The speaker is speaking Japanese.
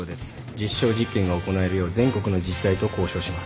実証実験が行えるよう全国の自治体と交渉します。